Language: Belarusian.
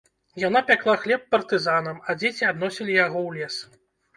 Яна пякла хлеб партызанам, а дзеці адносілі яго ў лес.